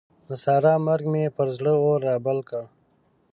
د سارا مرګ مې پر زړه اور رابل کړ.